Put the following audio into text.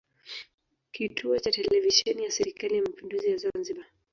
Kituo cha Televisheni ya Serikali ya Mapinduzi ya Zanzibar